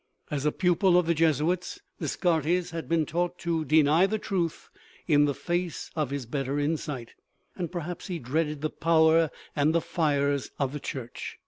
As a pupil of the Jesuits, Descartes had been taught to deny the truth in the face of his better insight; and perhaps he dreaded the power and the fires of the Church.